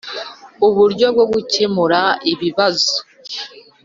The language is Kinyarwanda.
Uburyo Bwo Gukemura Ibibazo